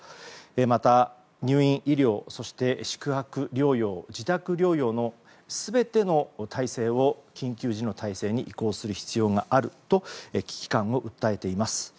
また、入院医療、そして宿泊療養自宅療養の全ての体制を緊急時の体制に移行する必要があると危機感を訴えています。